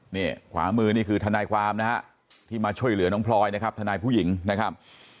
นี่ขวามือนี่คือทนายความนะฮะที่มาช่วยเหลือน้องพลอยนะครับทนายผู้หญิงนะครับ